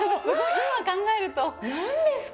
今考えると何ですか？